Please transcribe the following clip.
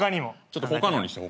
ちょっと他のにして。